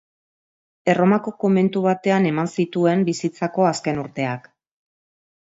Erromako komentu batean eman zituen bizitzako azken urteak.